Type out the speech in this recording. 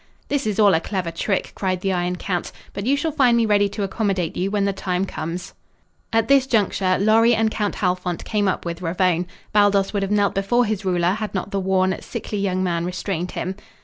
"This is all a clever trick," cried the Iron Count. "But you shall find me ready to accommodate you when the time comes." At this juncture Lorry and Count Halfont came up with Ravone. Baldos would have knelt before his ruler had not the worn, sickly young man restrained him.